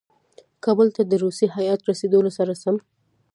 کابل ته د روسي هیات رسېدلو سره سم.